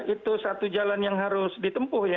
itu satu jalan yang harus ditempuh ya